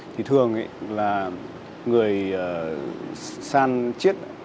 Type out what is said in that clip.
thì thường là người san chiết